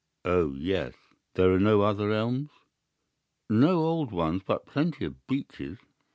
"'Oh, yes.' "'There are no other elms?' "'No old ones, but plenty of beeches.